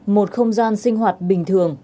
một không gian sinh hoạt bình thường